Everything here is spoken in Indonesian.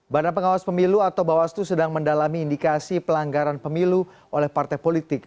badan pengawas pemilu atau bawaslu sedang mendalami indikasi pelanggaran pemilu oleh partai politik